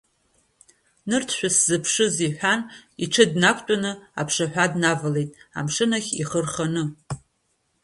Нырцә шәысзыԥшыз, — иҳәан, иҽы днақәтәаны аԥшаҳәа днавалеит, амшын ахь ихы рханы.